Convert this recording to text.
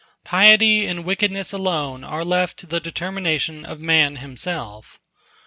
Piety and wickedness alone are left to the determination of man himself.